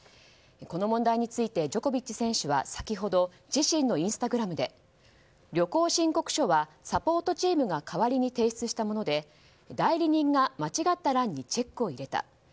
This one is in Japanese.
この問題についてジョコビッチ選手は先ほど自身のインスタグラムで旅行申告書はサポートチームが代わりに提出したもので代理人が間違った欄にチェックを入れた。